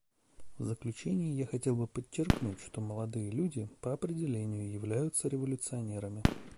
В заключение я хотел бы подчеркнуть, что молодые люди, по определению, являются революционерами.